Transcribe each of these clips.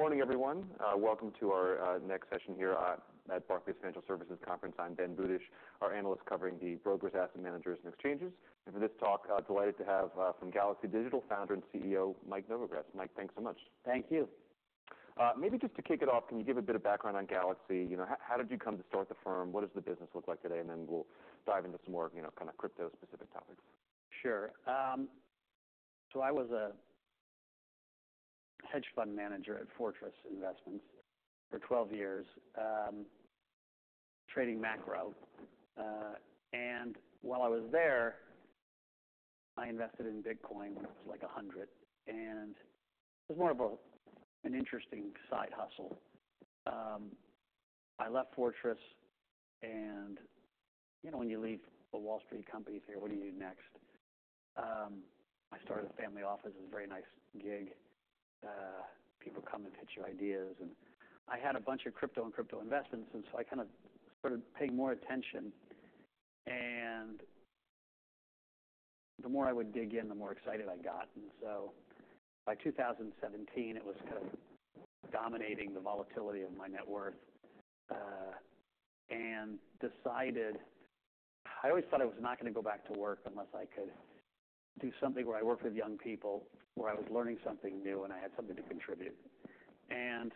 Morning, everyone. Welcome to our next session here at Barclays Financial Services Conference. I'm Ben Budish, an analyst covering the brokers, asset managers and exchanges, and for this talk, I'm delighted to have from Galaxy Digital, Founder and CEO, Mike Novogratz. Mike, thanks so much. Thank you. Maybe just to kick it off, can you give a bit of background on Galaxy? You know, how did you come to start the firm? What does the business look like today? And then we'll dive into some more, you know, kind of crypto-specific topics. Sure. So I was a Hedge Fund Manager at Fortress Investment for 12 years, trading macro. And while I was there, I invested in Bitcoin when it was, like, 100, and it was more of an interesting side hustle. I left Fortress and, you know, when you leave a Wall Street company, you figure, "What do you do next?" I started a family office. It was a very nice gig. People come and pitch you ideas, and I had a bunch of crypto and crypto investments, and so I kind of started paying more attention, and the more I would dig in, the more excited I got. And so by 2017, it was kind of dominating the volatility of my net worth, and decided. I always thought I was not gonna go back to work unless I could do something where I worked with young people, where I was learning something new, and I had something to contribute, and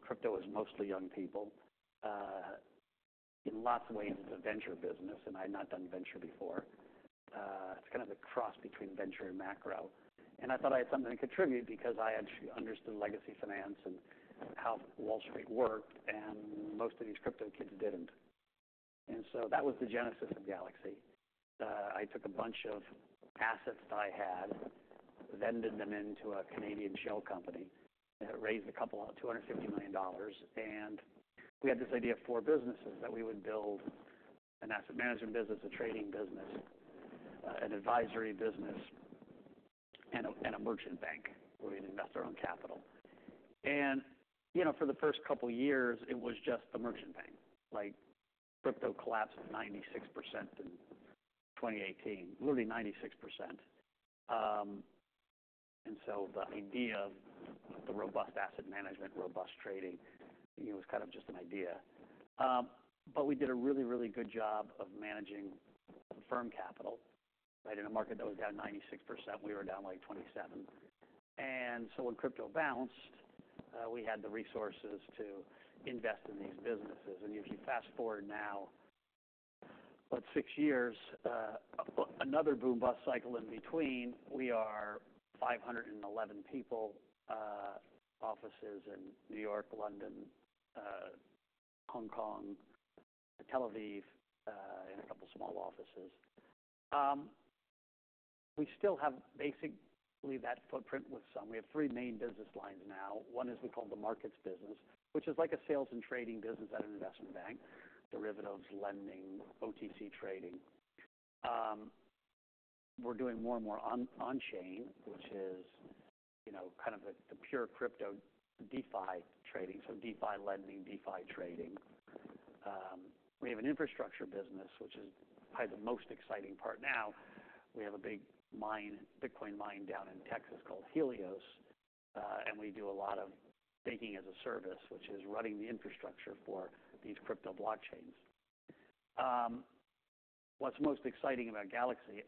crypto is mostly young people. In lots of ways, it's a venture business, and I'd not done venture before. It's kind of a cross between venture and macro, and I thought I had something to contribute because I actually understood legacy finance and how Wall Street worked, and most of these crypto kids didn't, and so that was the genesis of Galaxy. I took a bunch of assets that I had, vended them into a Canadian shell company, and it raised a couple, $250 million, and we had this idea of four businesses that we would build: an asset management business, a trading business, an advisory business, and a merchant bank, where we'd invest our own capital. And, you know, for the first couple of years, it was just the merchant bank. Like, crypto collapsed 96% in 2018. Literally 96%. And so the idea of the robust asset management, robust trading, you know, was kind of just an idea. But we did a really, really good job of managing firm capital. Right? In a market that was down 96%, we were down, like, 27%. And so when crypto bounced, we had the resources to invest in these businesses. And if you fast-forward now, about six years, another boom-bust cycle in between, we are 511 people, offices in New York, London, Hong Kong, Tel Aviv, and a couple small offices. We still have basically that footprint. We have three main business lines now. One is we call the markets business, which is like a sales and trading business at an investment bank, derivatives, lending, OTC trading. We're doing more and more on-chain, which is, you know, kind of the pure crypto DeFi trading, so DeFi lending, DeFi trading. We have an infrastructure business, which is probably the most exciting part now. We have a big mine, Bitcoin mine down in Texas called Helios, and we do a lot of hosting as a service, which is running the infrastructure for these crypto blockchains. What's most exciting about Galaxy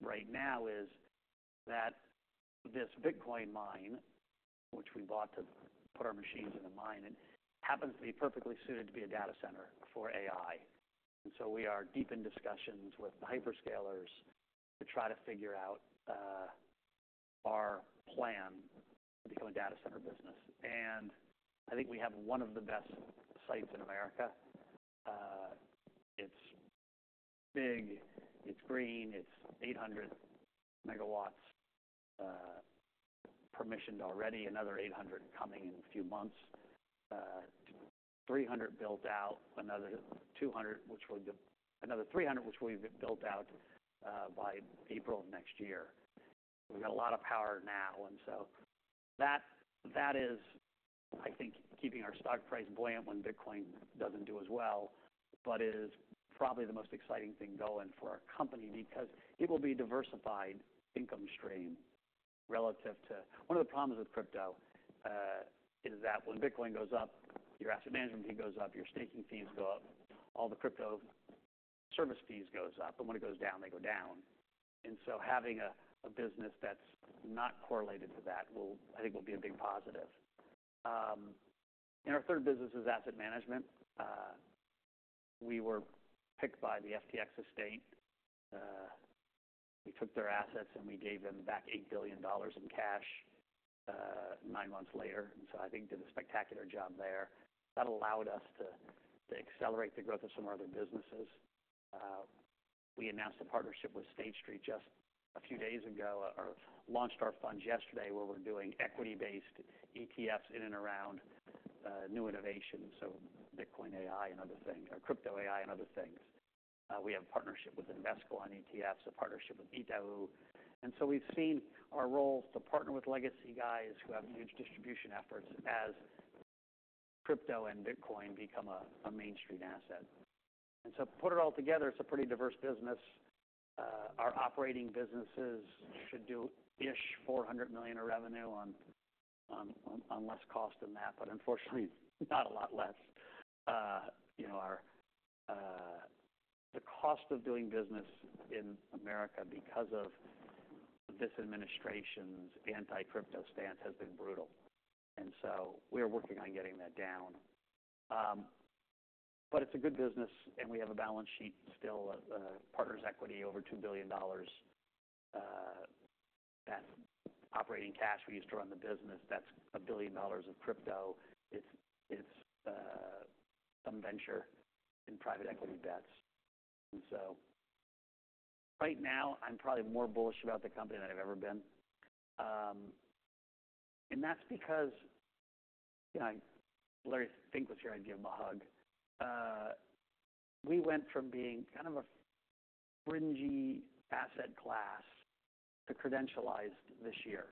right now is that this Bitcoin mine, which we bought to put our machines in the mine, it happens to be perfectly suited to be a data center for AI, and so we are deep in discussions with hyperscalers to try to figure out our plan to become a data center business. And I think we have one of the best sites in America. It's big, it's green, it's 800 MW, permissioned already, another 800 coming in a few months. 300 built out, another 200, another 300, which we've built out by April of next year. We've got a lot of power now, and so that is, I think, keeping our stock price buoyant when Bitcoin doesn't do as well, but it is probably the most exciting thing going for our company, because it will be diversified income stream relative to. One of the problems with crypto is that when Bitcoin goes up, your asset management fee goes up, your staking fees go up, all the crypto service fees goes up, and when it goes down, they go down. And so having a business that's not correlated to that will, I think, be a big positive. And our third business is asset management. We were picked by the FTX estate. We took their assets, and we gave them back $8 billion in cash nine months later. So I think did a spectacular job there. That allowed us to accelerate the growth of some of our other businesses. We announced a partnership with State Street just a few days ago, or launched our fund yesterday, where we're doing equity-based ETFs in and around new innovations, so Bitcoin, AI, and other things, crypto, AI and other things. We have a partnership with Invesco on ETFs, a partnership with DWS. And so we've seen our role to partner with legacy guys who have huge distribution efforts as crypto and Bitcoin become a mainstream asset. And so put it all together, it's a pretty diverse business. Our operating businesses should do about $400 million of revenue on less cost than that, but unfortunately, not a lot less. You know, the cost of doing business in America because of this administration's anti-crypto stance has been brutal. And so we are working on getting that down. But it's a good business, and we have a balance sheet still, partners' equity, over $2 billion, that operating cash we use to run the business, that's $1 billion of crypto. It's some venture in private equity debts. And so right now, I'm probably more bullish about the company than I've ever been. And that's because, you know, if Larry Fink was here, I'd give him a hug. We went from being kind of a fringe asset class to legitimized this year,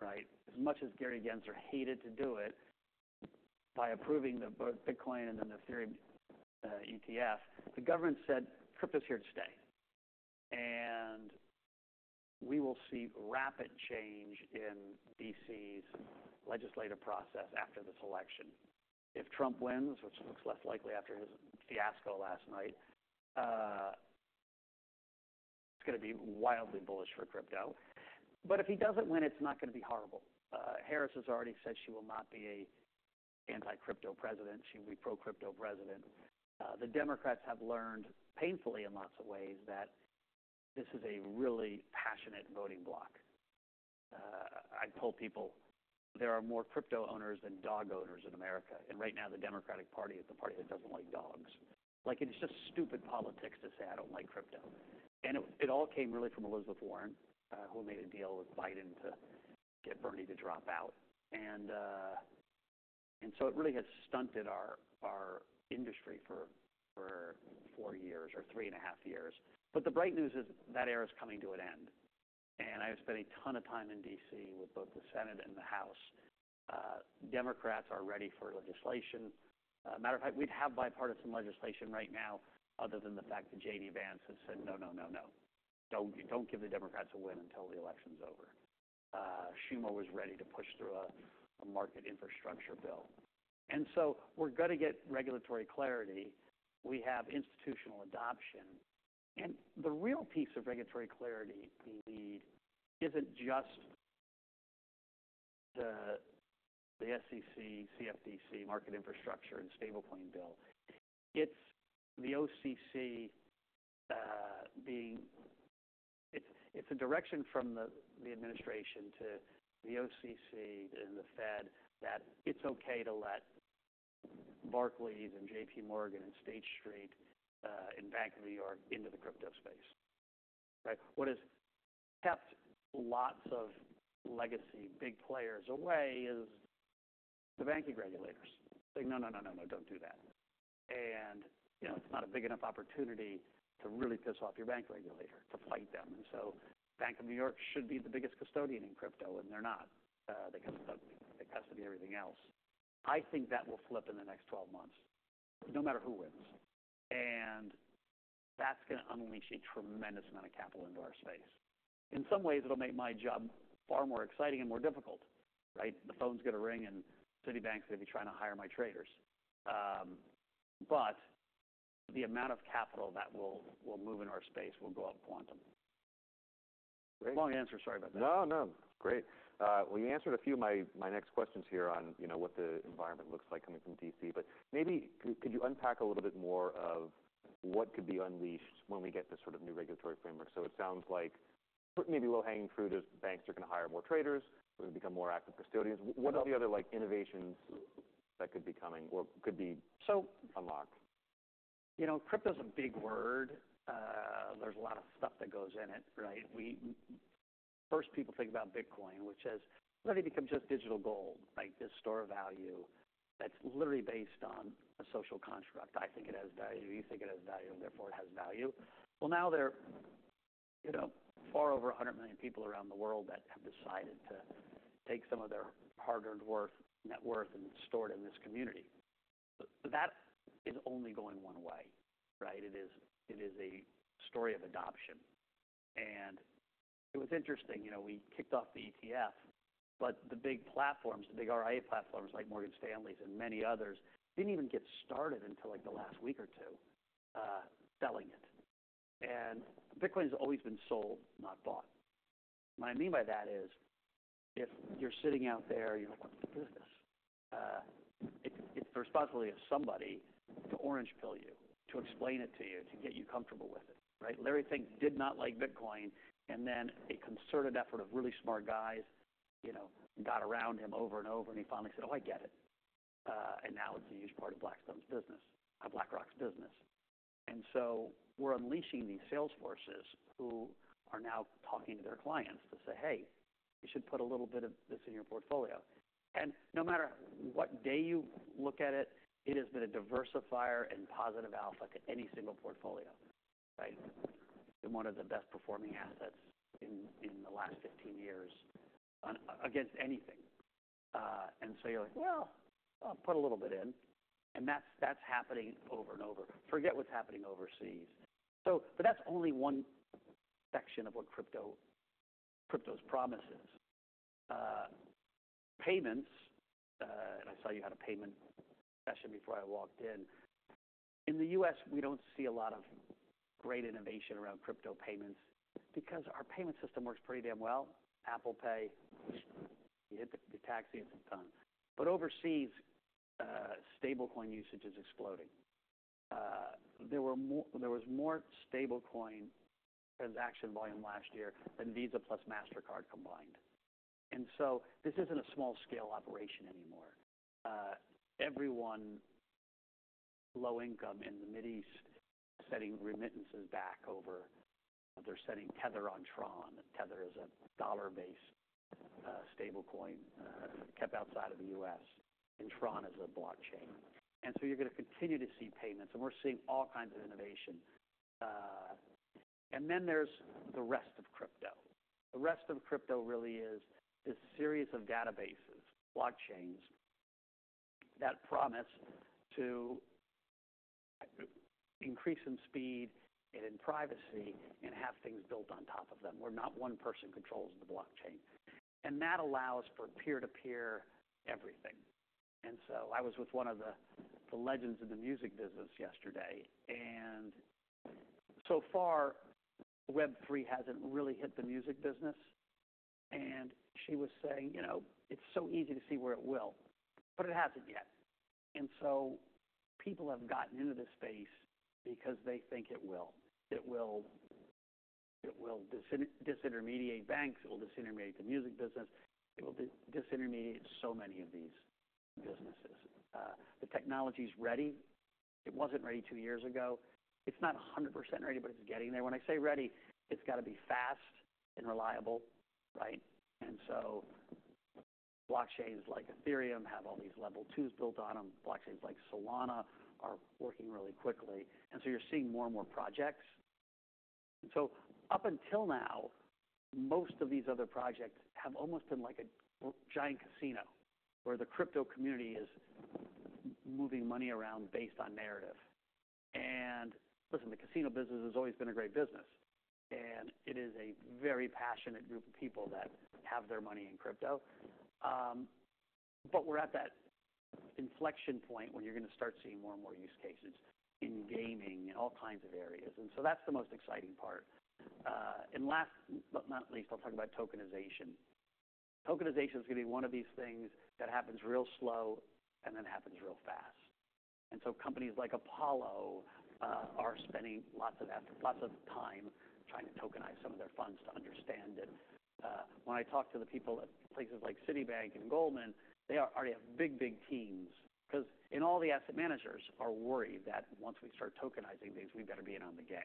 right? As much as Gary Gensler hated to do it, by approving the both Bitcoin and then Ethereum ETF, the government said, "Crypto's here to stay." And we will see rapid change in D.C.'s legislative process after this election. If Trump wins, which looks less likely after his fiasco last night, it's gonna be wildly bullish for crypto. But if he doesn't win, it's not gonna be horrible. Harris has already said she will not be an anti-crypto president. She will be pro-crypto president. The Democrats have learned painfully in lots of ways that this is a really passionate voting bloc. I told people, there are more crypto owners than dog owners in America, and right now the Democratic Party is the party that doesn't like dogs. Like, it's just stupid politics to say, "I don't like crypto." And it all came really from Elizabeth Warren, who made a deal with Biden to get Bernie to drop out. And so it really has stunted our industry for four years, or three and a half years. But the bright news is that era is coming to an end, and I've spent a ton of time in D.C. with both the Senate and the House. Democrats are ready for legislation. Matter of fact, we'd have bipartisan legislation right now, other than the fact that JD Vance has said, "No, no, no, no. Don't, don't give the Democrats a win until the election's over." Schumer was ready to push through a market infrastructure bill. And so we're gonna get regulatory clarity. We have institutional adoption, and the real piece of regulatory clarity we need isn't just the SEC, CFTC market infrastructure and stablecoin bill. It's the OCC. It's a direction from the administration to the OCC and the Fed that it's okay to let Barclays and JPMorgan and State Street and Bank of New York into the crypto space. Right? What has kept lots of legacy big players away is the banking regulators. Like, "No, no, no, no, no, don't do that." And, you know, it's not a big enough opportunity to really piss off your bank regulator, to fight them. And so Bank of New York should be the biggest custodian in crypto, and they're not. They custody everything else. I think that will flip in the next 12 months, no matter who wins. And that's gonna unleash a tremendous amount of capital into our space. In some ways, it'll make my job far more exciting and more difficult, right? The phone's gonna ring, and Citibank's gonna be trying to hire my traders. But the amount of capital that will move in our space will go up quantum. Great. Long answer, sorry about that. No, no. Great. Well, you answered a few of my next questions here on, you know, what the environment looks like coming from D.C., but maybe could you unpack a little bit more of what could be unleashed when we get this sort of new regulatory framework? So it sounds like maybe low-hanging fruit is banks are gonna hire more traders, or become more active custodians. Yeah. What are the other, like, innovations that could be coming or could be? So. Unlocked? You know, crypto's a big word. There's a lot of stuff that goes in it, right? First, people think about Bitcoin, which has literally become just digital gold, like this store of value that's literally based on a social construct. I think it has value, you think it has value, and therefore it has value. Well, now there are, you know, far over 100 million people around the world that have decided to take some of their hard-earned worth, net worth, and store it in this community. But that is only going one way, right? It is a story of adoption. It was interesting, you know, we kicked off the ETF, but the big platforms, the big RIA platforms, like Morgan Stanley's and many others, didn't even get started until, like, the last week or two, selling it. Bitcoin's always been sold, not bought. What I mean by that is, if you're sitting out there, you're like, "What is this?" It's the responsibility of somebody to orange pill you, to explain it to you, to get you comfortable with it, right? Larry Fink did not like Bitcoin, and then a concerted effort of really smart guys, you know, got around him over and over, and he finally said, "Oh, I get it." And now it's a huge part of Blackstone's business, BlackRock's business. And so we're unleashing these sales forces who are now talking to their clients to say, "Hey, you should put a little bit of this in your portfolio." And no matter what day you look at it, it has been a diversifier and positive alpha to any single portfolio. Right? Been one of the best performing assets in the last 15 years on against anything. And so you're like: Well, I'll put a little bit in. And that's happening over and over. Forget what's happening overseas. So, but that's only one section of what crypto's promise is. Payments, and I saw you had a payment session before I walked in. In the U.S., we don't see a lot of great innovation around crypto payments because our payment system works pretty damn well. Apple Pay, you hit the taxi, and it's done. But overseas, stablecoin usage is exploding. There was more stablecoin transaction volume last year than Visa plus Mastercard combined. And so this isn't a small-scale operation anymore. Everyone low income in the Middle East, sending remittances back over. They're sending Tether on Tron. Tether is a dollar-based stablecoin kept outside of the U.S., and Tron is a blockchain, and so you're going to continue to see payments, and we're seeing all kinds of innovation, and then there's the rest of crypto. The rest of crypto really is this series of databases, blockchains, that promise to increase in speed and in privacy, and have things built on top of them, where not one person controls the blockchain, and that allows for peer-to-peer everything. So I was with one of the legends of the music business yesterday, and so far, Web3 hasn't really hit the music business, and she was saying, "You know, it's so easy to see where it will," but it hasn't yet, and so people have gotten into this space because they think it will. It will, it will disintermediate banks, it will disintermediate the music business, it will disintermediate so many of these businesses. The technology's ready. It wasn't ready two years ago. It's not 100% ready, but it's getting there. When I say ready, it's got to be fast and reliable, right, and so blockchains like Ethereum have all these Level 2s built on them. Blockchains like Solana are working really quickly, and so you're seeing more and more projects, so up until now, most of these other projects have almost been like a giant casino, where the crypto community is moving money around based on narrative. And listen, the casino business has always been a great business, and it is a very passionate group of people that have their money in crypto. But we're at that inflection point where you're going to start seeing more and more use cases in gaming, in all kinds of areas, and so that's the most exciting part. And last but not least, I'll talk about tokenization. Tokenization is going to be one of these things that happens real slow and then happens real fast. And so companies like Apollo are spending lots of effort, lots of time trying to tokenize some of their funds to understand it. When I talk to the people at places like Citibank and Goldman, they already have big, big teams, because, and all the asset managers are worried that once we start tokenizing things, we better be in on the gig.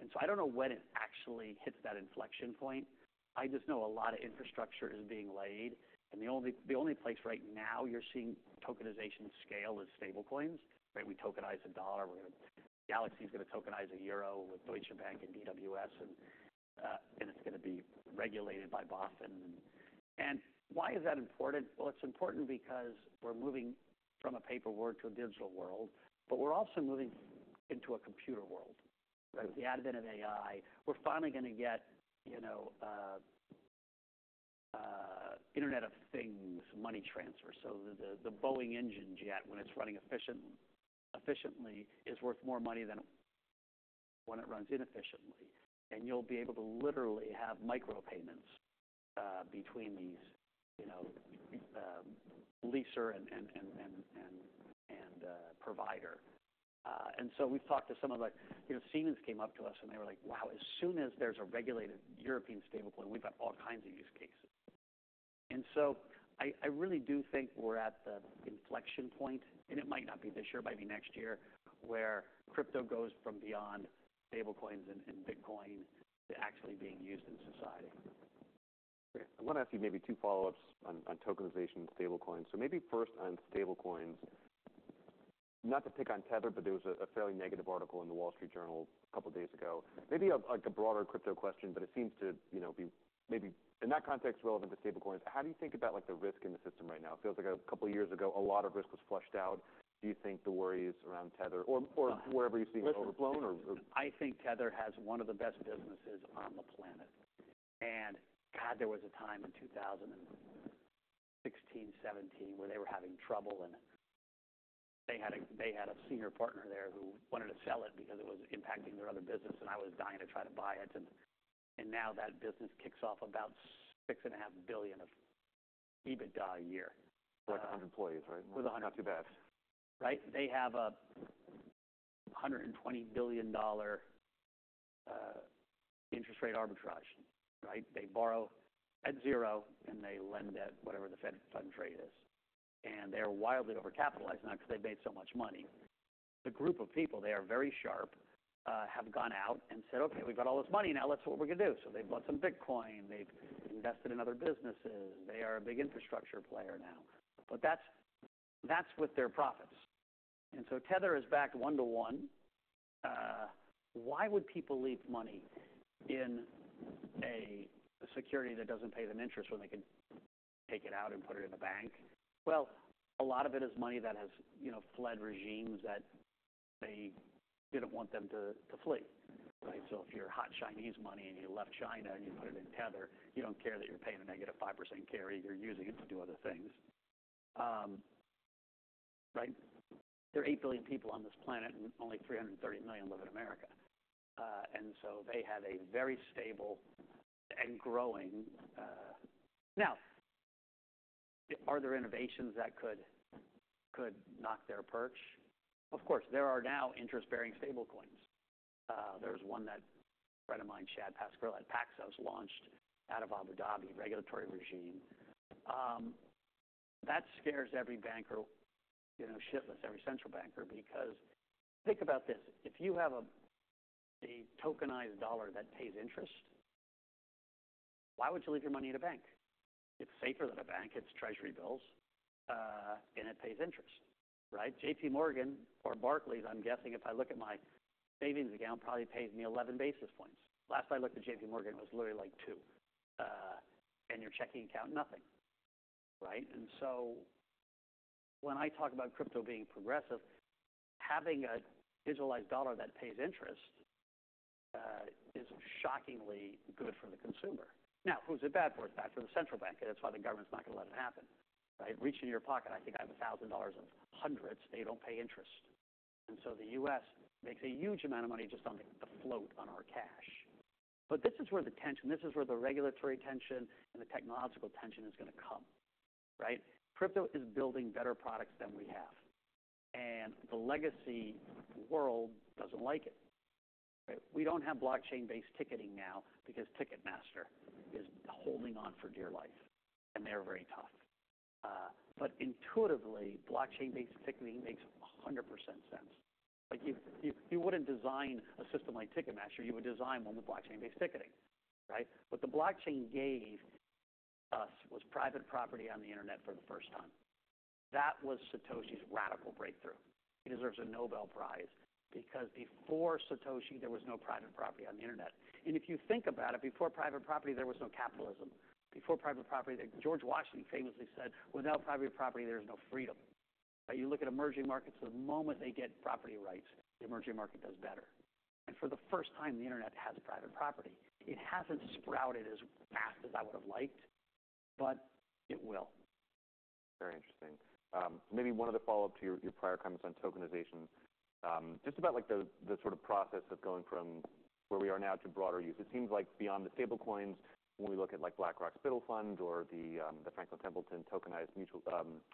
And so I don't know when it actually hits that inflection point. I just know a lot of infrastructure is being laid, and the only place right now you're seeing tokenization scale is stablecoins, right? We tokenize a dollar. Galaxy's gonna tokenize a euro with Deutsche Bank and DWS, and it's going to be regulated by BaFin. And why is that important? Well, it's important because we're moving from a paper world to a digital world, but we're also moving into a computer world, right? With the advent of AI, we're finally going to get, you know, Internet of Things money transfer. So the Boeing engine jet, when it's running efficiently, is worth more money than when it runs inefficiently. And you'll be able to literally have micropayments between these, you know, lessee and provider. And so we've talked to some of the, you know, Siemens came up to us, and they were like: "Wow, as soon as there's a regulated European stablecoin, we've got all kinds of use cases." And so I really do think we're at the inflection point, and it might not be this year, it might be next year, where crypto goes from beyond stablecoins and Bitcoin to actually being used in society. Great. I want to ask you maybe two follow-ups on tokenization and stablecoins. So maybe first on stablecoins, not to pick on Tether, but there was a fairly negative article in The Wall Street Journal a couple of days ago, maybe like a broader crypto question, but it seems to, you know, be maybe in that context relevant to stablecoins. How do you think about, like, the risk in the system right now? It feels like a couple of years ago, a lot of risk was flushed out. Do you think the worries around Tether or, or wherever you're seeing it overblown or, or? I think Tether has one of the best businesses on the planet. And God, there was a time in 2016, 2017, where they were having trouble, and they had a, they had a senior partner there who wanted to sell it because it was impacting their other business, and I was dying to try to buy it. And, and now that business kicks off about $6.5 billion of EBITDA a year. Like a hundred employees, right? With a hundred. Not too bad. Right. They have a $120 billion interest rate arbitrage, right? They borrow at zero, and they lend at whatever the Fed fund rate is. And they are wildly overcapitalized now because they've made so much money. The group of people there are very sharp, have gone out and said: "Okay, we've got all this money now. Let's see what we're gonna do." So they've bought some Bitcoin, they've invested in other businesses. They are a big infrastructure player now. But that's with their profits. And so Tether is backed one to one. Why would people leave money in a security that doesn't pay them interest when they could take it out and put it in a bank? A lot of it is money that has, you know, fled regimes that they didn't want them to flee, right? So if you're hot Chinese money and you left China and you put it in Tether, you don't care that you're paying a -5% carry, you're using it to do other things, right? There are eight billion people on this planet, and only 330 million live in America. And so they have a very stable and growing. Now, are there innovations that could knock their perch? Of course, there are now interest-bearing stablecoins. There's one that a friend of mine, Charles Cascarilla at Paxos, launched out of Abu Dhabi regulatory regime. That scares every banker, you know, shitless, every central banker, because think about this: If you have a tokenized dollar that pays interest, why would you leave your money in a bank? It's safer than a bank, it's treasury bills, and it pays interest, right? JPMorgan or Barclays, I'm guessing if I look at my savings account, probably pays me 11 basis points. Last I looked at JPMorgan, it was literally like two, and your checking account, nothing. Right? And so when I talk about crypto being progressive, having a digitalized dollar that pays interest, is shockingly good for the consumer. Now, who's it bad for? It's bad for the central bank, and that's why the government's not going to let it happen. Right? Reach into your pocket, I think I have $1,000 of hundreds. They don't pay interest. And so the U.S. makes a huge amount of money just on the float on our cash. But this is where the tension, this is where the regulatory tension and the technological tension is going to come, right? Crypto is building better products than we have, and the legacy world doesn't like it. We don't have blockchain-based ticketing now because Ticketmaster is holding on for dear life, and they're very tough. But intuitively, blockchain-based ticketing makes 100% sense. Like, you wouldn't design a system like Ticketmaster, you would design one with blockchain-based ticketing, right? What the blockchain gave us was private property on the internet for the first time. That was Satoshi's radical breakthrough. He deserves a Nobel Prize because before Satoshi, there was no private property on the internet. And if you think about it, before private property, there was no capitalism. Before private property, George Washington famously said, "Without private property, there's no freedom." You look at emerging markets, the moment they get property rights, the emerging market does better. And for the first time, the internet has private property. It hasn't sprouted as fast as I would have liked, but it will. Very interesting. Maybe one other follow-up to your prior comments on tokenization. Just about like the sort of process of going from where we are now to broader use. It seems like beyond the stablecoins, when we look at, like, BlackRock BUIDL Fund or the Franklin Templeton Tokenized Mutual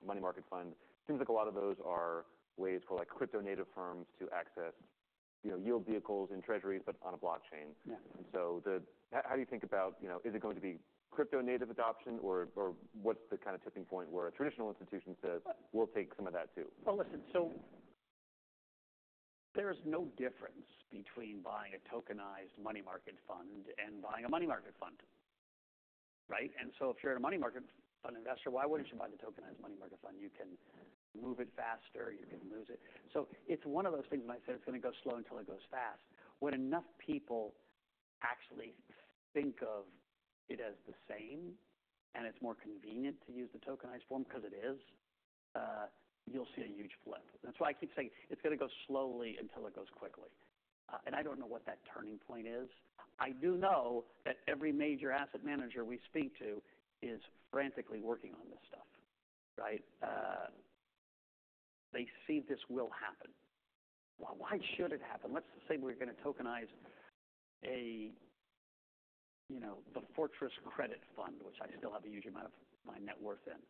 Money Market Fund, it seems like a lot of those are ways for, like, crypto native firms to access, you know, yield vehicles and treasuries, but on a blockchain. Yeah. How do you think about, you know, is it going to be crypto native adoption, or what's the kind of tipping point where a traditional institution says, "We'll take some of that, too? Listen, so there's no difference between buying a tokenized money market fund and buying a money market fund, right? And so if you're a money market fund investor, why wouldn't you buy the tokenized money market fund? You can move it faster, you can use it. So it's one of those things, and I said, "It's going to go slow until it goes fast." When enough people actually think of it as the same, and it's more convenient to use the tokenized form, because it is, you'll see a huge flip. That's why I keep saying, "It's going to go slowly until it goes quickly," and I don't know what that turning point is. I do know that every major asset manager we speak to is frantically working on this stuff, right? They see this will happen. Why should it happen? Let's say we're going to tokenize, you know, the Fortress Credit Fund, which I still have a huge amount of my net worth in.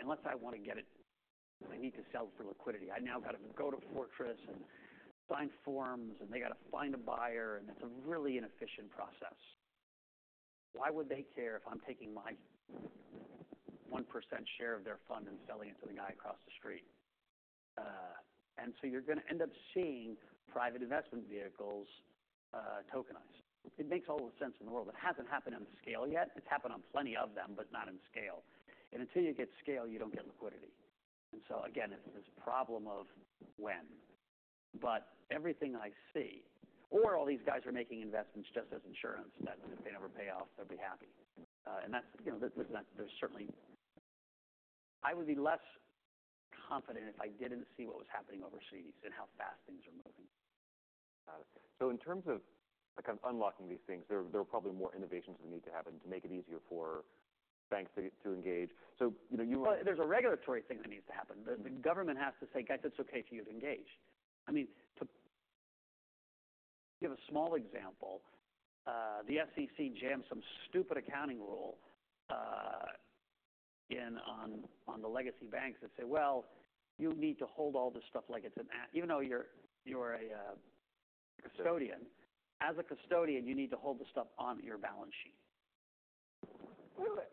Unless I want to get it, I need to sell for liquidity. I now got to go to Fortress and sign forms, and they got to find a buyer, and it's a really inefficient process. Why would they care if I'm taking my 1% share of their fund and selling it to the guy across the street? And so you're going to end up seeing private investment vehicles tokenized. It makes all the sense in the world. It hasn't happened on the scale yet. It's happened on plenty of them, but not in scale. Until you get scale, you don't get liquidity. And so again, it's this problem of when. But everything I see, or all these guys are making investments just as insurance, that if they never pay off, they'll be happy. And that's, you know, there's certainly, I would be less confident if I didn't see what was happening overseas and how fast things are moving. Got it. So in terms of, like, unlocking these things, there are probably more innovations that need to happen to make it easier for banks to engage. So, you know, you. There's a regulatory thing that needs to happen. The government has to say, "Guys, it's okay to use Engage." I mean, to give a small example, the SEC jammed some stupid accounting rule in on the legacy banks that say, "Well, you need to hold all this stuff like it's an asset even though you're a custodian. As a custodian, you need to hold the stuff on your balance sheet."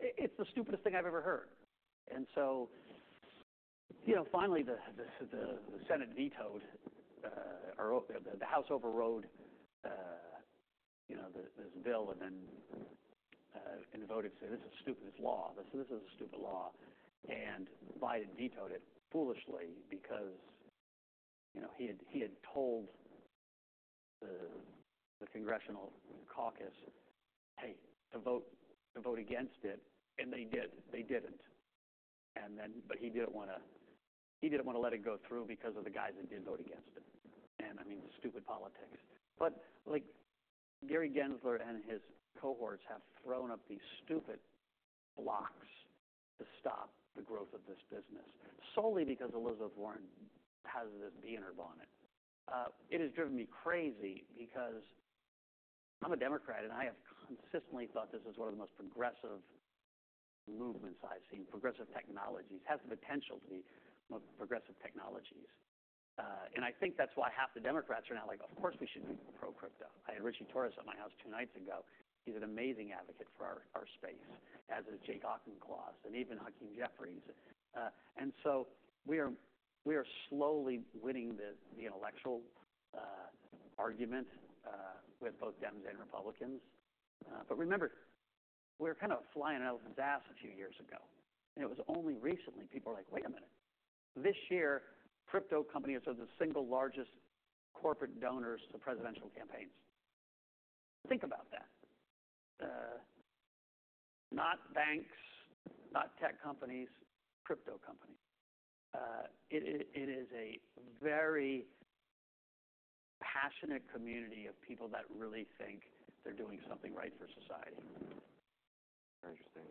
It's the stupidest thing I've ever heard. You know, finally, the Senate vetoed or the House overrode you know, this bill and then the voters say, "This is a stupidest law. This is a stupid law." And Biden vetoed it foolishly because, you know, he had told the congressional caucus, "Hey, to vote against it," and they did. They did it. And then, but he didn't wanna let it go through because of the guys that did vote against it. And I mean, the stupid politics. But like, Gary Gensler and his cohorts have thrown up these stupid blocks to stop the growth of this business, solely because Elizabeth Warren has this bee in her bonnet. It has driven me crazy because I'm a Democrat, and I have consistently thought this is one of the most progressive movements I've seen, progressive technologies. Has the potential to be the most progressive technologies. And I think that's why half the Democrats are now like, "Of course, we should be pro-crypto." I had Ritchie Torres at my house two nights ago. He's an amazing advocate for our space, as is Jake Auchincloss and even Hakeem Jeffries. And so we are slowly winning the intellectual argument with both Dems and Republicans. But remember, we were kind of a fly on an elephant's ass a few years ago, and it was only recently people were like, "Wait a minute." This year, crypto companies are the single largest corporate donors to presidential campaigns. Think about that. Not banks, not tech companies, crypto companies. It is a very passionate community of people that really think they're doing something right for society. Very interesting.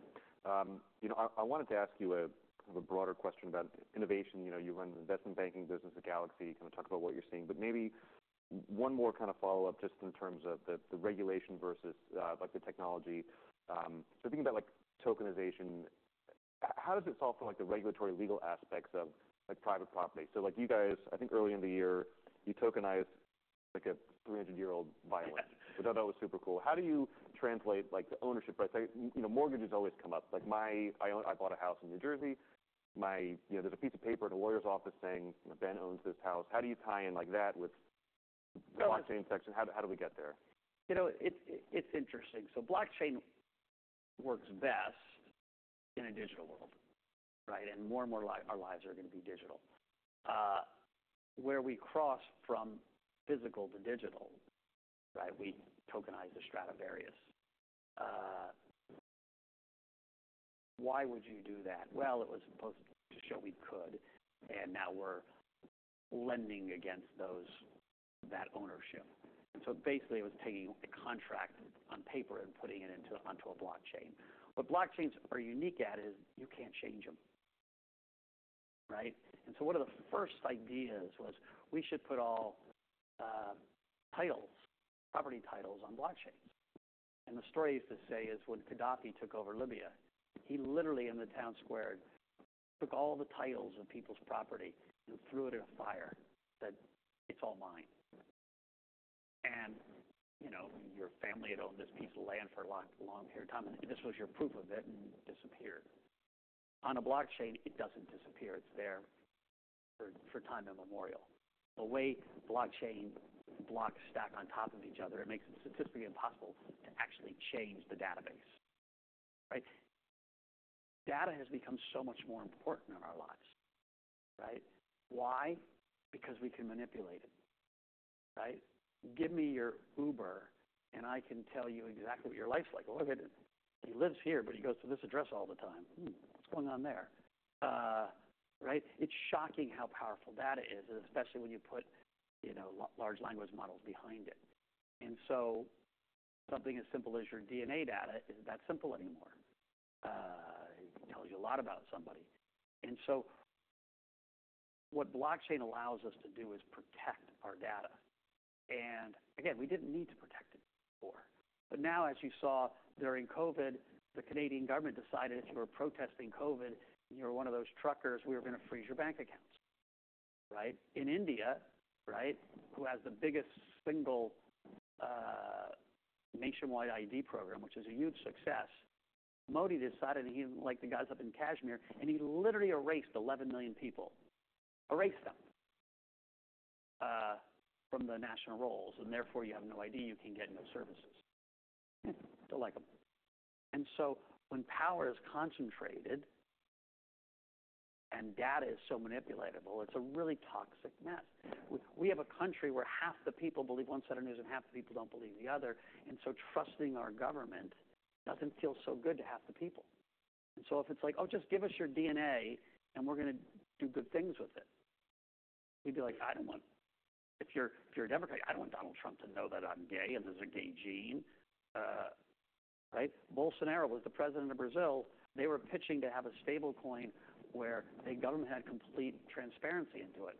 You know, I wanted to ask you a kind of a broader question about innovation. You know, you run the investment banking business at Galaxy. Can you talk about what you're seeing? But maybe one more kind of follow-up, just in terms of the regulation versus like the technology. So think about like tokenization. How does it solve for like the regulatory legal aspects of like private property? So like you guys, I think early in the year, you tokenized like a 300-year-old violin, which I thought that was super cool. How do you translate like the ownership? But I say, you know, mortgages always come up. Like my, I own, I bought a house in New Jersey. My, you know, there's a piece of paper in a lawyer's office saying, "Ben owns this house." How do you tie in like that with the blockchain section? How do we get there? You know, it's interesting. So blockchain works best in a digital world, right? And more and more our lives are gonna be digital. Where we cross from physical to digital, right? We tokenize the Stradivarius. Why would you do that? Well, it was supposed to show we could, and now we're lending against those, that ownership. And so basically, it was taking a contract on paper and putting it into, onto a blockchain. What blockchains are unique at is you can't change them, right? And so one of the first ideas was we should put all titles, property titles on blockchains. The story is to say, when Gaddafi took over Libya, he literally, in the town square, took all the titles of people's property and threw it in a fire and said, "It's all mine." You know, your family had owned this piece of land for a long, long period of time, and this was your proof of it, and it disappeared. On a blockchain, it doesn't disappear. It's there for time immemorial. The way blockchain blocks stack on top of each other, it makes it statistically impossible to actually change the database, right? Data has become so much more important in our lives, right? Why? Because we can manipulate it, right? Give me your Uber, and I can tell you exactly what your life's like. Look at it. He lives here, but he goes to this address all the time. Hmm, what's going on there? Right? It's shocking how powerful data is, especially when you put, you know, large language models behind it. And so something as simple as your DNA data isn't that simple anymore. It tells you a lot about somebody. And so what blockchain allows us to do is protect our data. And again, we didn't need to protect it before. But now, as you saw during COVID, the Canadian government decided if you were protesting COVID, and you were one of those truckers, we were gonna freeze your bank accounts, right? In India, right, who has the biggest single nationwide ID program, which is a huge success, Modi decided he didn't like the guys up in Kashmir, and he literally erased eleven million people, erased them from the national rolls, and therefore, you have no ID you can get no services. Don't like them. When power is concentrated and data is so manipulatable, it's a really toxic mess. We have a country where half the people believe one set of news, and half the people don't believe the other, and so trusting our government doesn't feel so good to half the people. If it's like, "Oh, just give us your DNA, and we're gonna do good things with it," we'd be like: I don't want. If you're a Democrat, I don't want Donald Trump to know that I'm gay, and there's a gay gene, right? Bolsonaro was the President of Brazil. They were pitching to have a stablecoin where the government had complete transparency into it.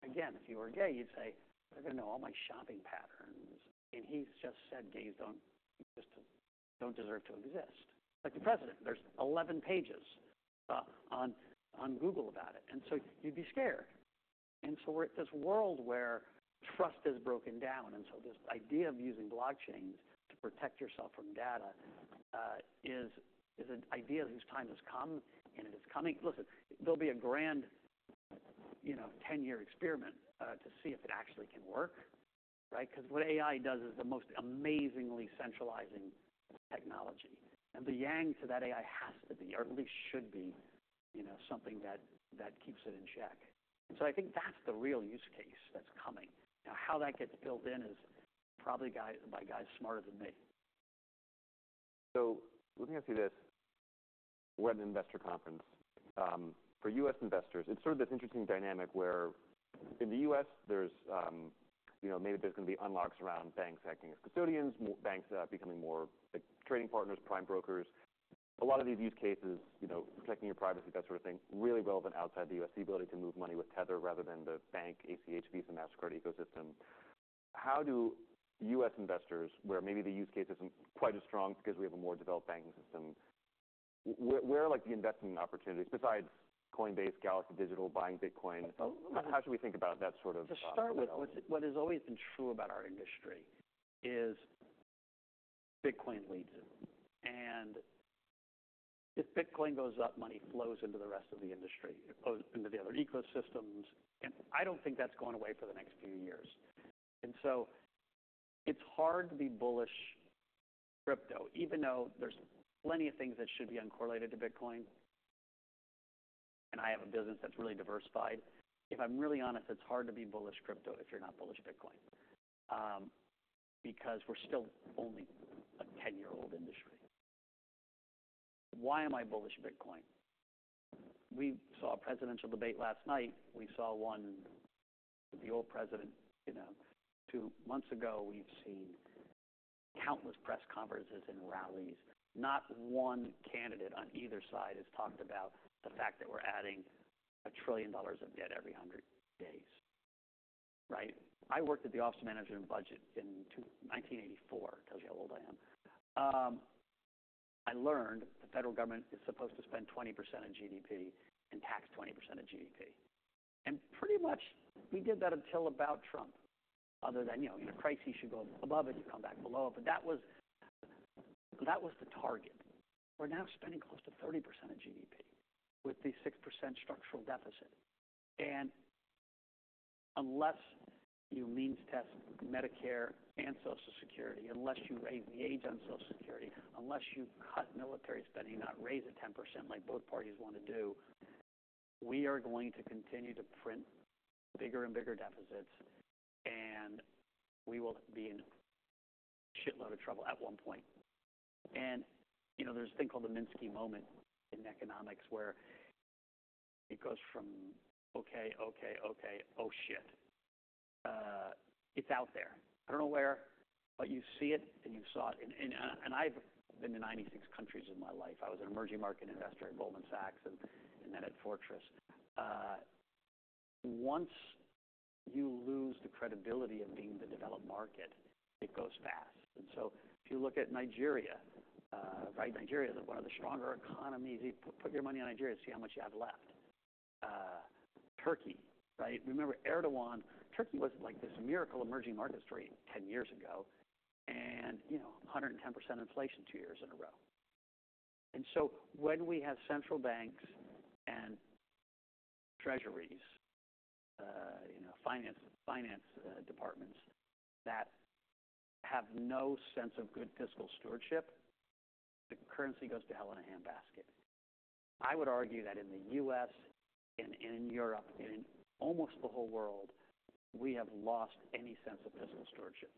Again, if you were gay, you'd say, "They're gonna know all my shopping patterns." He's just said gays just don't deserve to exist. Like the President, there's 11 pages on Google about it, and so you'd be scared. And so we're at this world where trust is broken down, and so this idea of using blockchains to protect yourself from data is an idea whose time has come, and it is coming. Listen, there'll be, you know, a 10-year experiment to see if it actually can work, right? Because what AI does is the most amazingly centralizing technology, and the yang to that AI has to be, or at least should be, you know, something that keeps it in check. So I think that's the real use case that's coming. Now, how that gets built in is probably by guys smarter than me. So looking through this, we're at an investor conference for U.S. investors. It's sort of this interesting dynamic where in the U.S. there's, you know, maybe there's going to be unlocks around banks acting as custodians, more banks becoming more like trading partners, prime brokers. A lot of these use cases, you know, protecting your privacy, that sort of thing, really relevant outside the U.S. The ability to move money with Tether rather than the bank, ACH, Visa, Mastercard ecosystem. How do U.S. investors, where maybe the use case isn't quite as strong because we have a more developed banking system, where are like the investment opportunities besides Coinbase, Galaxy Digital, buying Bitcoin? Well, well. How should we think about that sort of? To start with, what has always been true about our industry is Bitcoin leads it, and if Bitcoin goes up, money flows into the rest of the industry, it flows into the other ecosystems, and I don't think that's going away for the next few years. And so it's hard to be bullish crypto, even though there's plenty of things that should be uncorrelated to Bitcoin. And I have a business that's really diversified. If I'm really honest, it's hard to be bullish crypto if you're not bullish Bitcoin, because we're still only a 10-year-old industry. Why am I bullish Bitcoin? We saw a presidential debate last night. We saw one with the old president, you know, two months ago. We've seen countless press conferences and rallies. Not one candidate on either side has talked about the fact that we're adding $1 trillion of debt every 100 days, right? I worked at the Office of Management and Budget in 1984, tells you how old I am. I learned the federal government is supposed to spend 20% of GDP and tax 20% of GDP. And pretty much, we did that until about Trump, other than, you know, in a crisis, you should go above it and come back below it. But that was, that was the target. We're now spending close to 30% of GDP with the 6% structural deficit. And unless you means test Medicare and Social Security, unless you raise the age on Social Security, unless you cut military spending, not raise it 10% like both parties want to do, we are going to continue to print bigger and bigger deficits, and we will be in a shitload of trouble at one point. And, you know, there's a thing called the Minsky moment in economics, where it goes from okay, okay, okay, oh, shit. It's out there. I don't know where, but you see it, and you saw it in, and I've been to 96 countries in my life. I was an emerging market investor at Goldman Sachs and then at Fortress. Once you lose the credibility of being the developed market, it goes fast. And so if you look at Nigeria, right? Nigeria is one of the stronger economies. You put your money on Nigeria, see how much you have left. Turkey, right? Remember, Erdoğan, Turkey was like this miracle emerging market story 10 years ago, and, you know, 110% inflation two years in a row. And so when we have central banks and treasuries, you know, finance departments that have no sense of good fiscal stewardship, the currency goes to hell in a handbasket. I would argue that in the U.S. and in Europe, and in almost the whole world, we have lost any sense of fiscal stewardship.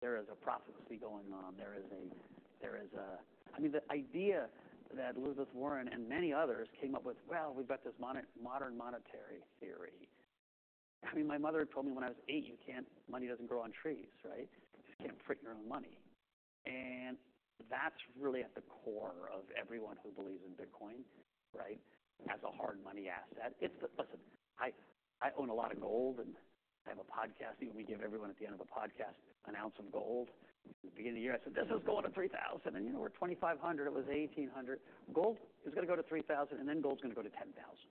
There is a profligacy going on. There is a, I mean, the idea that Elizabeth Warren and many others came up with, "Well, we've got this Modern Monetary Theory." I mean, my mother told me when I was eight, "You can't. Money doesn't grow on trees, right? You can't print your own money," and that's really at the core of everyone who believes in Bitcoin, right? As a hard money asset. It's the, listen, I own a lot of gold, and I have a podcast. We give everyone at the end of a podcast an ounce of gold. At the beginning of the year, I said, "This is going to $3,000," and you know, we're at $2,500. It was $1,800. Gold is gonna go to $3,000, and then gold's gonna go to $10,000.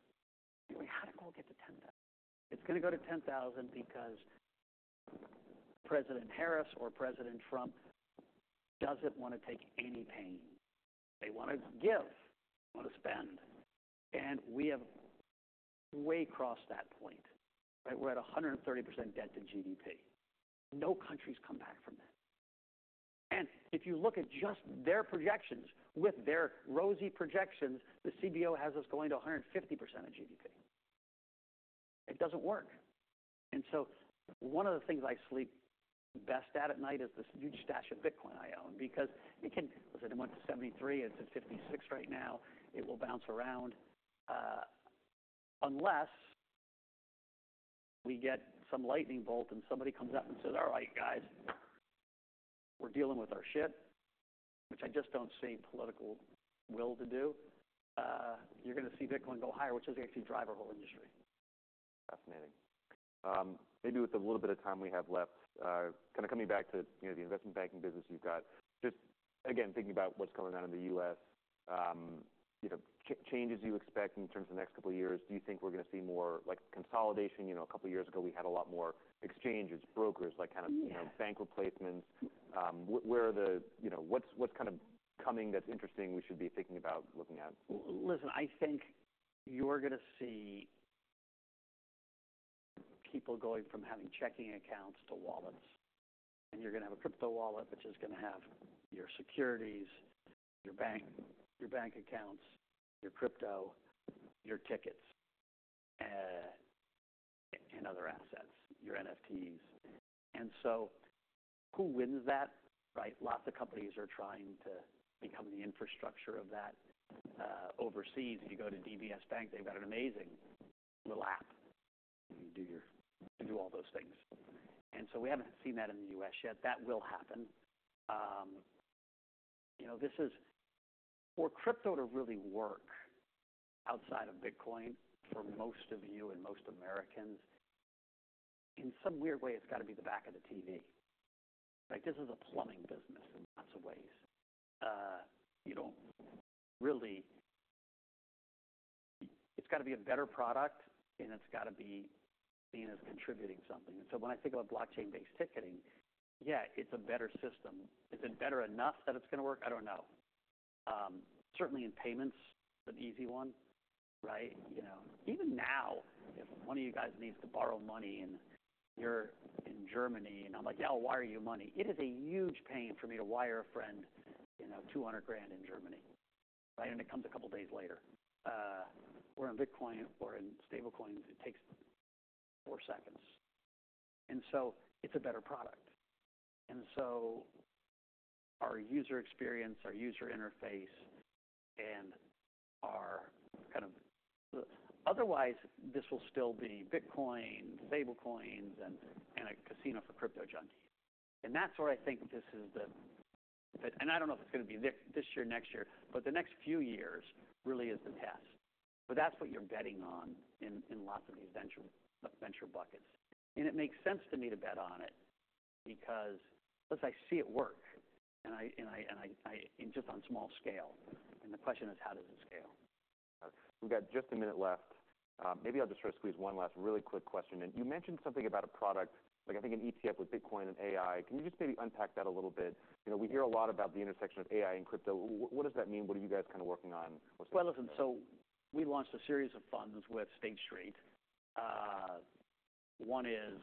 You're like, "How did gold get to $10,000?" It's gonna go to $10,000 because President Harris or President Trump doesn't want to take any pain. They wanna give, they wanna spend, and we have way crossed that point, right? We're at 130% debt to GDP. No country's come back from that. And if you look at just their projections, with their rosy projections, the CBO has us going to 150% of GDP. It doesn't work. And so one of the things I sleep best at night is this huge stash of Bitcoin I own, because it can. Listen, it went to 73, it's at 56 right now. It will bounce around unless we get some lightning bolt and somebody comes up and says, "All right, guys, we're dealing with our shit," which I just don't see political will to do. You're gonna see Bitcoin go higher, which is going to drive our whole industry. Fascinating. Maybe with the little bit of time we have left, kind of coming back to, you know, the investment banking business you've got, just again, thinking about what's going on in the U.S., you know, changes you expect in terms of the next couple of years. Do you think we're gonna see more, like, consolidation? You know, a couple of years ago, we had a lot more exchanges, brokers, like kind of. Yeah. You know, bank replacements. Where are the, you know, what's kind of coming that's interesting, we should be thinking about looking at? Listen, I think you're gonna see people going from having checking accounts to wallets, and you're gonna have a crypto wallet, which is gonna have your securities, your bank, your bank accounts, your crypto, your tickets, and other assets, your NFTs. And so who wins that, right? Lots of companies are trying to become the infrastructure of that. Overseas, if you go to DBS Bank, they've got an amazing little app, and you do all those things. And so we haven't seen that in the U.S. yet. That will happen. You know, this is. For crypto to really work outside of Bitcoin, for most of you and most Americans, in some weird way, it's gotta be the back of the TV. Like, this is a plumbing business in lots of ways. You don't really. It's gotta be a better product, and it's gotta be seen as contributing something. When I think about blockchain-based ticketing, yeah, it's a better system. Is it better enough that it's gonna work? I don't know. Certainly in payments, it's an easy one, right? You know, even now, if one of you guys needs to borrow money and you're in Germany, and I'm like, "Yeah, I'll wire you money," it is a huge pain for me to wire a friend, you know, $200,000 in Germany, right? And it comes a couple of days later. Where in Bitcoin or in stablecoins, it takes four seconds, and so it's a better product. Our user experience, our user interface, and our kind of, otherwise, this will still be Bitcoin, stablecoins, and a casino for crypto junkies. And that's where I think this is the. And I don't know if it's gonna be this year or next year, but the next few years really is the test. But that's what you're betting on in lots of these venture buckets. And it makes sense to me to bet on it because, plus, I see it work, and I just on a small scale, and the question is: How does it scale? We've got just a minute left. Maybe I'll just try to squeeze one last really quick question in. You mentioned something about a product, like, I think an ETF with Bitcoin and AI. Can you just maybe unpack that a little bit? You know, we hear a lot about the intersection of AI and crypto. What does that mean? What are you guys kind of working on? Well, listen, so we launched a series of funds with State Street. One is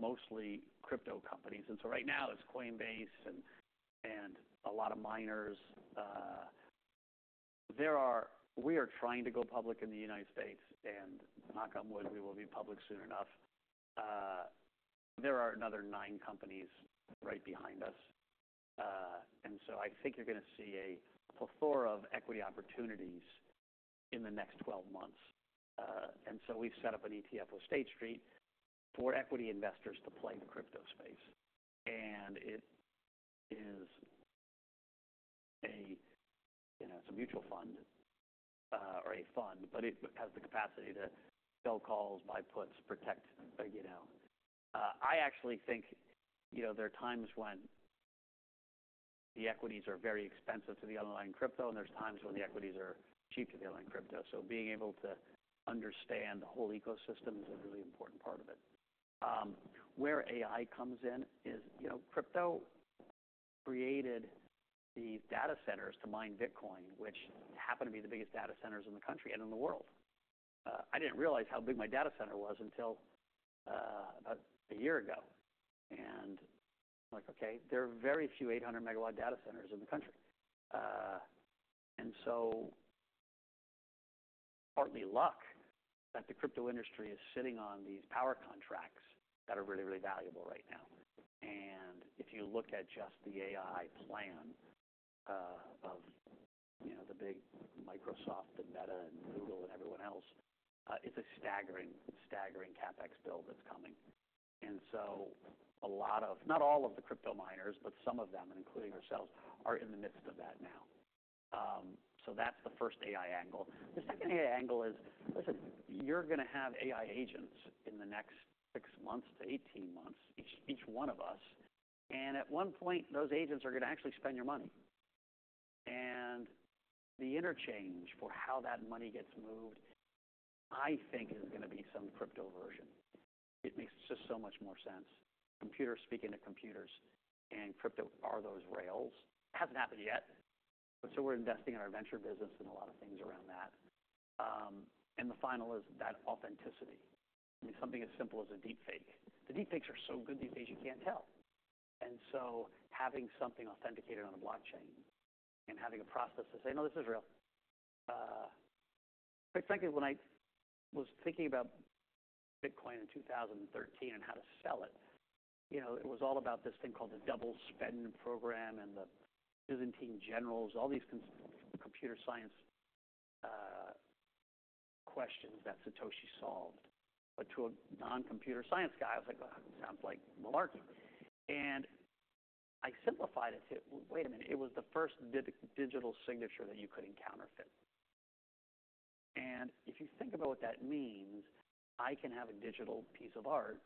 mostly crypto companies, and so right now it's Coinbase and a lot of miners. We are trying to go public in the United States, and knock on wood, we will be public soon enough. There are another nine companies right behind us. And so I think you're gonna see a plethora of equity opportunities in the next 12 months. And so we've set up an ETF with State Street for equity investors to play in the crypto space. And it is a, you know, it's a mutual fund, or a fund, but it has the capacity to sell calls, buy puts, protect, you know. I actually think, you know, there are times when the equities are very expensive to the underlying crypto, and there are times when the equities are cheap to the underlying crypto, so being able to understand the whole ecosystem is a really important part of it. Where AI comes in is, you know, crypto created the data centers to mine Bitcoin, which happen to be the biggest data centers in the country and in the world. I didn't realize how big my data center was until about a year ago, and I'm like, okay, there are very few 800 MW data centers in the country, and so partly luck that the crypto industry is sitting on these power contracts that are really, really valuable right now. And if you look at just the AI plan of, you know, the big Microsoft and Meta and Google and everyone else, it's a staggering, staggering CapEx bill that's coming. And so a lot of, not all of the crypto miners, but some of them, including ourselves, are in the midst of that now. So that's the first AI angle. The second AI angle is, listen, you're gonna have AI agents in the next six months to 18 months, each, each one of us, and at one point, those agents are gonna actually spend your money. And the interchange for how that money gets moved, I think is gonna be some crypto version. It makes just so much more sense, computers speaking to computers, and crypto are those rails. It hasn't happened yet, but so we're investing in our venture business and a lot of things around that. And the final is that authenticity. I mean, something as simple as a deepfake. The deepfakes are so good these days, you can't tell. And so having something authenticated on a blockchain and having a process to say, "No, this is real." Quite frankly, when I was thinking about Bitcoin in 2013 and how to sell it, you know, it was all about this thing called the double-spending problem and the Byzantine Generals Problem, all these computer science questions that Satoshi solved. But to a non-computer science guy, I was like, "Well, that sounds like malarkey." And I simplified it and said, "Well, wait a minute, it was the first digital signature that you couldn't counterfeit." And if you think about what that means, I can have a digital piece of art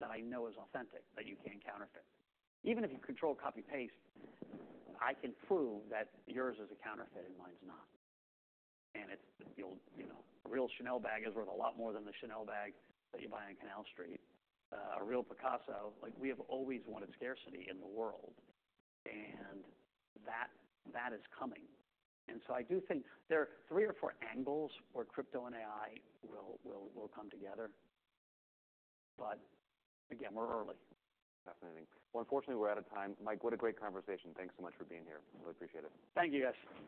that I know is authentic, that you can't counterfeit. Even if you control, copy, paste, I can prove that yours is a counterfeit and mine's not. And it's the old, you know, a real Chanel bag is worth a lot more than the Chanel bag that you buy on Canal Street. A real Picasso. Like, we have always wanted scarcity in the world, and that is coming. And so I do think there are three or four angles where crypto and AI will come together, but again, we're early. Definitely. Well, unfortunately, we're out of time. Mike, what a great conversation. Thanks so much for being here. Really appreciate it. Thank you, guys.